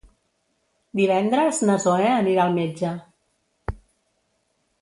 Divendres na Zoè anirà al metge.